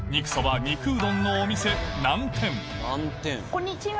こんにちは。